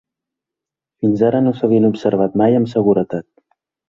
Fins ara no s’havien observat mai amb seguretat.